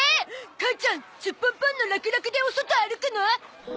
母ちゃんすっぽんぽんのラクラクでお外歩くの？